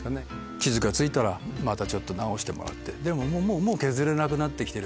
傷が付いたら直してもらってでももう削れなくなって来てる。